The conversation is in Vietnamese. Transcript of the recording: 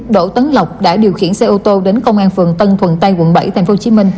đỗ tấn lộc đã điều khiển xe ô tô đến công an phường tân thuận tây quận bảy tp hcm